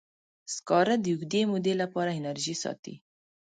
سکاره د اوږدې مودې لپاره انرژي ساتي.